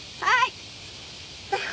はい。